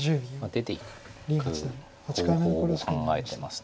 出ていく方法を考えてます。